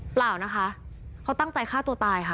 เปล่านะคะเขาตั้งใจฆ่าตัวตายค่ะ